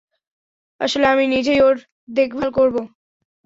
আসলে, আমি নিজেই ওর দেখভাল করবো।